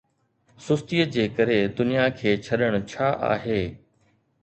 سُستيءَ جي ڪري دنيا کي ڇڏڻ ڇا آهي؟